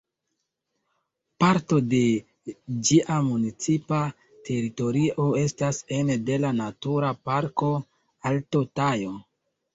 Parto de ĝia municipa teritorio estas ene de la Natura Parko Alto Tajo.